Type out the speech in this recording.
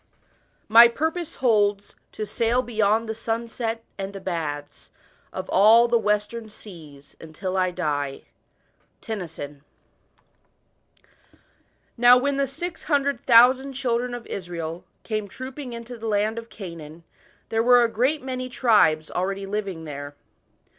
u My purpose holds To sail beyond the sunset and the baths Of all the western seas until I die." TENNYSON, Ulysses. Now when the six hundred thousand children of Israel came trooping into the land of Canaan, 1 See chapter 4. 36 THE PHOENICIANS. i i there wer^ a great many t tribes already Jiving there.